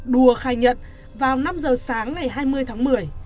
đua khai nhận vào năm giờ sáng ngày hai mươi tháng một mươi